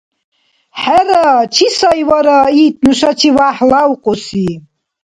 ХӀера чи сай вара ит нушачивяхӀ лявкьуси?